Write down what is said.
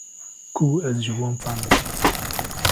ku ez ji wan fehm bikim